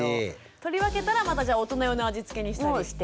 とりわけたらまたじゃあ大人用の味付けにしたりして。